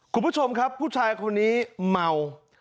คุณผู้ชมครับผู้ชายคนนี้เมา